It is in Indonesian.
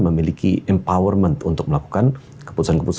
memiliki empowerment untuk melakukan keputusan keputusan